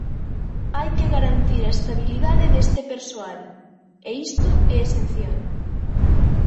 Hai que garantir a estabilidade deste persoal, e isto é esencial.